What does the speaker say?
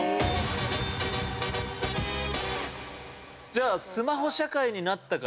じゃあ。